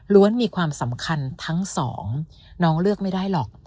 มีความสำคัญทั้งสองน้องเลือกไม่ได้หรอก